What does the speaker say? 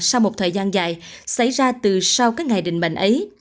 sau một thời gian dài xảy ra từ sau các ngày định mệnh ấy